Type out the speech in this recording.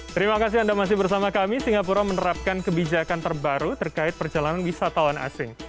terima kasih anda masih bersama kami singapura menerapkan kebijakan terbaru terkait perjalanan wisatawan asing